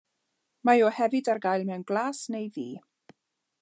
Mae o hefyd ar gael mewn glas neu ddu.